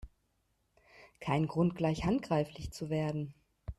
Kein Grund, gleich handgreiflich zu werden!